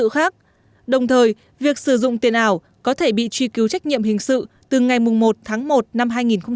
khác đồng thời việc sử dụng tiền ảo có thể bị truy cứu trách nhiệm hình sự từ ngày một tháng một năm hai nghìn một mươi tám